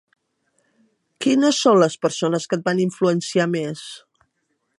Quines són les persones que et van influenciar més?